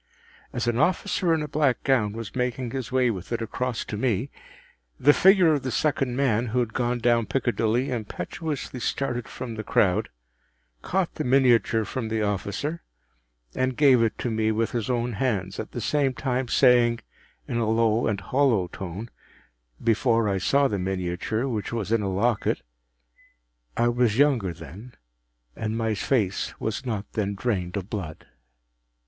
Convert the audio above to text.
As an officer in a black gown was making his way with it across to me, the figure of the second man who had gone down Piccadilly impetuously started from the crowd, caught the miniature from the officer, and gave it to me with his own hands, at the same time saying, in a low and hollow tone,—before I saw the miniature, which was in a locket,—“_I was younger then_, and my face was not then drained of blood.